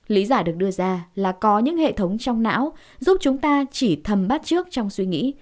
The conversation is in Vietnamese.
lý giả được đưa ra là có những hệ thống trong não giúp chúng ta chỉ thầm bát trước trong suy nghĩ